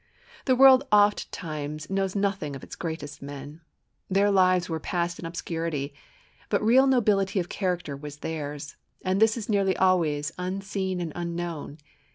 The world ofttimes knows nothing of its greatest men. Their lives were passed in obscurity, but real nobility of character was theirs, and this is nearly always unseen and unknown.